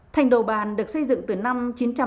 thành đồ bàn được xây dựng từ năm chín trăm tám mươi hai